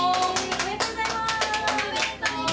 おめでとうございます。